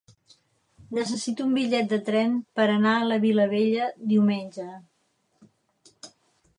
Necessito un bitllet de tren per anar a la Vilavella diumenge.